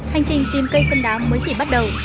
hành trình tìm cây sân đá mới chỉ bắt đầu